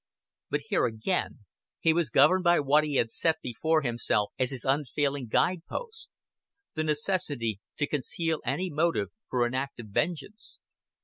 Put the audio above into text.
But here again he was governed by what he had set before himself as his unfailing guide post the necessity to conceal any motive for an act of vengeance.